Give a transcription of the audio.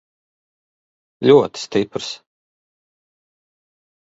Ļoti stiprs.